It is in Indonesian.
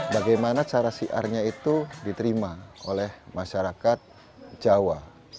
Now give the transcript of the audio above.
bagaimana cara siarnya itu diterima oleh masyarakat jawa